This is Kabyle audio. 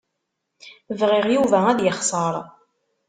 Bɣiɣ Yuba ad yexṣer.